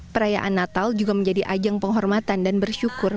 perayaan natal juga menjadi ajang penghormatan dan bersyukur